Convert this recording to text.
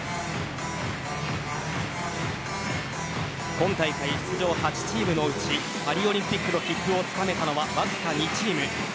今大会出場８チームのうちパリオリンピックの切符をつかめたのはわずか２チーム。